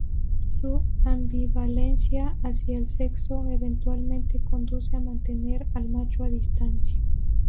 Su ambivalencia hacia el sexo eventualmente conduce a mantener al macho a distancia.